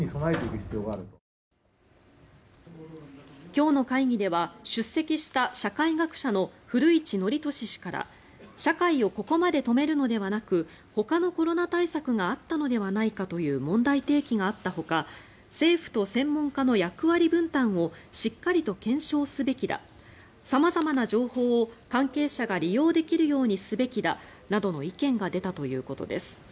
今日の会議では出席した社会学者の古市憲寿氏から社会をここまで止めるのではなくほかのコロナ対策があったのではないかという問題提起があったほか政府と専門家の役割分担をしっかりと検証すべきだ様々な情報を関係者が利用できるようにすべきだなどの意見が出たということです。